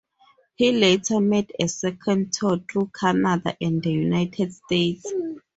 He later made a second tour through Canada and the United States.